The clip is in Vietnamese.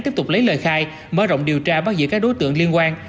tiếp tục lấy lời khai mở rộng điều tra bắt giữ các đối tượng liên quan